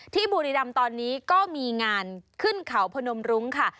บุรีรำตอนนี้ก็มีงานขึ้นเขาพนมรุ้งค่ะ